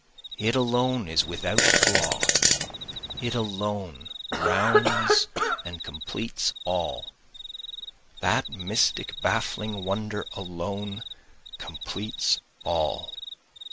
It alone is without flaw, it alone rounds and completes all, That mystic baffling wonder alone completes all.